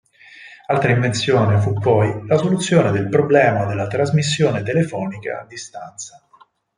Altra invenzione fu poi la soluzione del problema della trasmissione telefonica a distanza.